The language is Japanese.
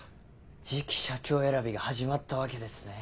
次期社長選びが始まったわけですね。